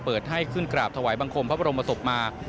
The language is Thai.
เปิดให้ขึ้นกราบถวายบังคมพระบรมศพมา